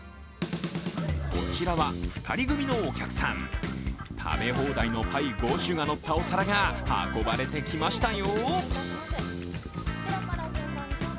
こちらは２人組のお客さん、食べ放題のパイ５ｈするがのったお皿が運ばれてきましたよ。